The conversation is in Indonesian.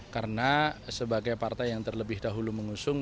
karena sebagai partai yang terlebih dahulu mengusung